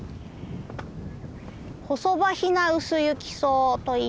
ホソバヒナウスユキソウといいます。